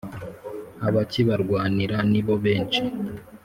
Abakibarwanira nibo benshi